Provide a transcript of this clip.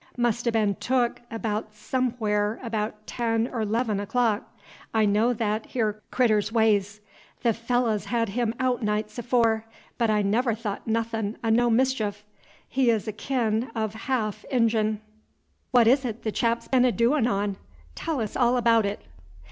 Must ha' been took aout somewhere abaout ten 'r 'levee o'clock. I know that 'ere critter's ways. The fellah's had him aout nights afore; b't I never thought nothin' o' no mischief. He 's a kin' o' haalf Injin. What is 't the chap's been a doin' on? Tell 's all abaout it."